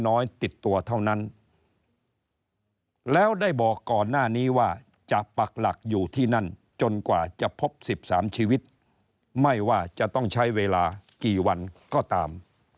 น้อยติดตัวเท่านั้นแล้วได้บอกก่อนหน้านี้ว่าจะปักหลักอยู่ที่นั่นจนกว่าจะพบ๑๓ชีวิตไม่ว่าจะต้องใช้เวลากี่วันก็ตาม